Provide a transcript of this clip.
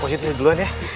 positif duluan ya